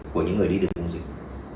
của những người đi được công dịch